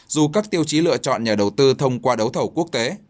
dù các tiêu chí lựa chọn nhà đầu tư thông qua đấu thầu quốc tế